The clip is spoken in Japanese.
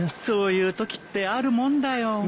そういうときってあるもんだよ。